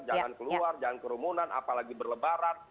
jangan keluar jangan kerumunan apalagi berlebaran